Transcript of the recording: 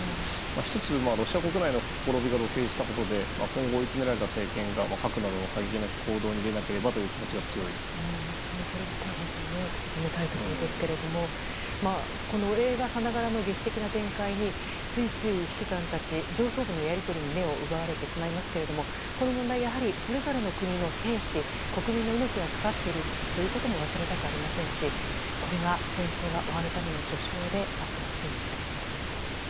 １つ、ロシア国内のほころびが露呈したことで今後、追い詰められた政権が核などの過激な行動に出なければ本当にそれだけは食い止めたいところですが映画さながらの劇的な展開についつい指揮官たち上層部のやり取りに目を取られてしまいますがこの問題、やはりそれぞれの国の兵士、国民の命がかかっているということも忘れたくありませんしこれが戦争が終わるための序章であってほしいんですが。